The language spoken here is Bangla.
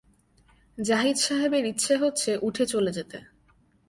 জাহিদ সাহেবের ইচ্ছা হচ্ছে উঠে চলে যেতে।